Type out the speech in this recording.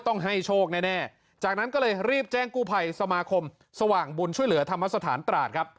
ต้องให้โชคแน่จากนั้นก็เลยรีบแจ้งกู้ภัยสมาคมสว่างบุญช่วยเหลือธรรมสถานตราดครับ